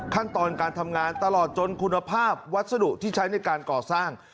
ขั้นตอนการทำงานตลอดจนคุณภาพวัสดุที่ใช้ในการก่อสร้าง